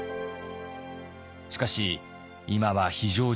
しかし今は非常事態。